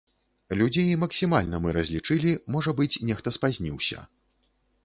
Людзей максімальна мы разлічылі, можа быць, нехта спазніўся.